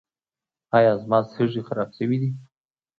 ایا زما سږي خراب شوي دي؟